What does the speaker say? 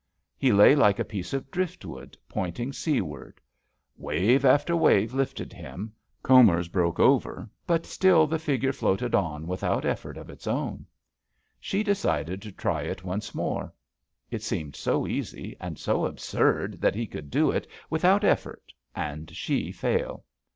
He lay like a piece of driftwood, pointing sea J^ JUST SWEETHEARTS tvard. Wave after wave lifted him; combers broke over, but still the figure floated on with out effort of ics own. She decided to try it once more. It seemed so easy, and so absurd that he could do it without effort and she fail.